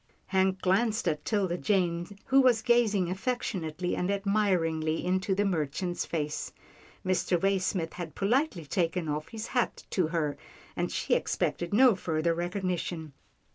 Hank glanced at 'Tilda Jane who was gazing affectionately and admiringly into the merchant's face. Mr. Waysmith had politely taken off his hat to her, and she expected no further recognition.